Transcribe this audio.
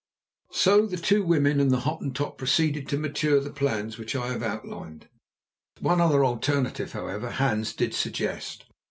So the two women and the Hottentot proceeded to mature the plans which I have outlined. One other alternative, however, Hans did suggest.